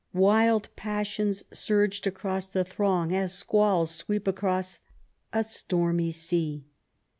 Wild passions surged across the throng, as squalls sweep across a stormy sea.